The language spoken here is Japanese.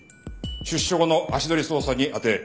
出所後の足取り捜査に充て